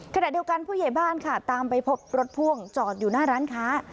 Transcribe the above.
ขณะเดียวกันผู้ใหญ่บ้านค่ะตามไปพบรถพ่วงจอดอยู่หน้าร้านค้า